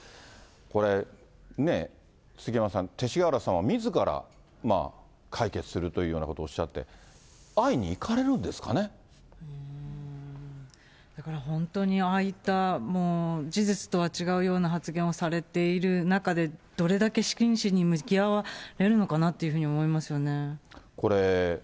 これね、杉山さん、勅使河原さんはみずから解決するというようなことをおっしゃって、だから本当に、ああいった事実とは違うような発言をされている中で、どれだけ真摯に向き合われるのかなって思いますよね。